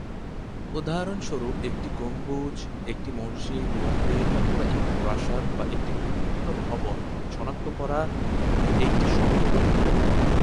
উদাহরণস্বরূপ একটি গম্বুজ একটি মসজিদ, মন্দির, অথবা একটি প্রাসাদ বা একটি গুরুত্বপূর্ণ ভবন, শনাক্ত করা এইটি সহজতর করে।